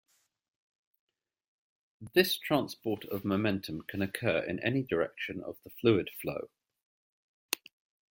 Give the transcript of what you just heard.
This transport of momentum can occur in any direction of the fluid flow.